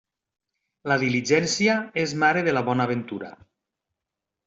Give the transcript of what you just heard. La diligència és mare de la bona ventura.